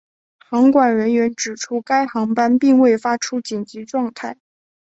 航管人员指出该航班并未发出紧急状态。